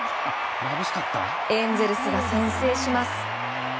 エンゼルスが先制します。